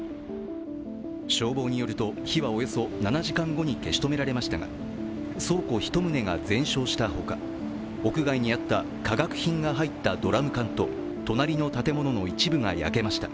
消防によると、火はおよそ７時間後に消し止められましたが倉庫１棟が全焼したほか屋外にあった化学品が入ったドラム缶と隣の建物の一部が焼けました。